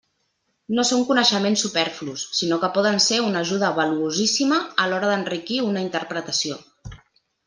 No són coneixements superflus, sinó que poden ser una ajuda valuosíssima a l'hora d'enriquir una interpretació.